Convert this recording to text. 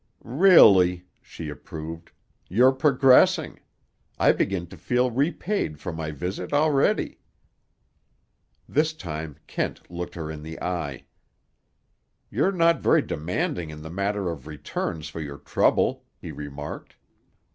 "Really," she approved, "you're progressing. I begin to feel repaid for my visit, already." This time Kent looked her in the eye. "You're not very demanding in the matter of returns for your trouble," he remarked.